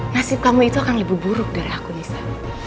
nasib kamu itu akan lebih buruk dari aku bisa